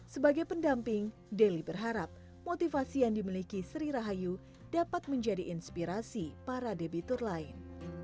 sebagai pendamping deli berharap motivasi yang dimiliki sri rahayu dapat menjadi inspirasi para debitur lain